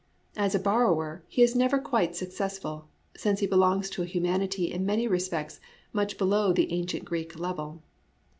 As a borrower, he is never quite successful, since he belongs to a humanity in many re spects much below the ancient Greek level.